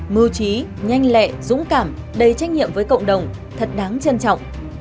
mưu trí nhanh lẹ dũng cảm đầy trách nhiệm với cộng đồng thật đáng trân trọng